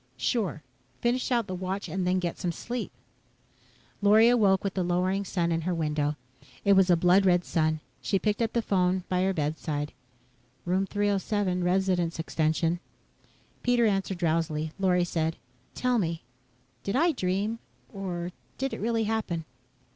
"Sure finish out the watch and then get some sleep." Lorry awoke with the lowering sun in her window. It was a blood red sun. She picked up the phone by her bedside. "Room 307 Resident's extension." Pete answered drowsily. Lorry said, "Tell me did I dream, or did it really happen."